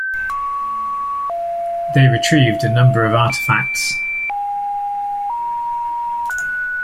They retrieved a number of artifacts.